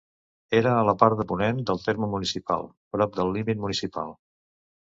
Era a la part de ponent del terme municipal, prop del límit municipal.